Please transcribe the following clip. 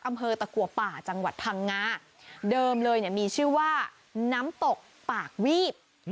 อำเภอตะกัวป่าจังหวัดพังงาเดิมเลยเนี่ยมีชื่อว่าน้ำตกปากวีบ